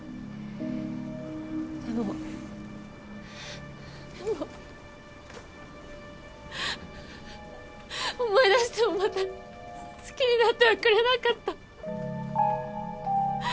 でもでも思い出してもまた好きになってはくれなかった。